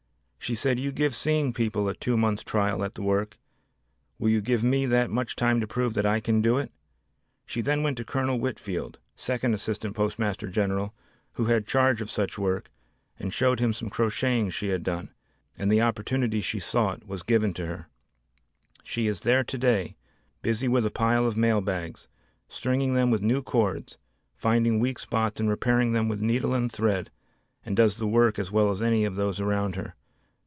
She said, "You give seeing people a two months' trial at the work, will you give me that much time to prove that I can do it?" She then went to Colonel Whitfield, Second Assistant Postmaster General, who had charge of such work, and showed him some crocheting she had done and the opportunity she sought was given her. She is there today busy with a pile of mail bags, stringing them with new cords, finding weak spots and repairing them with needle and thread and does the work as well as any of those around her.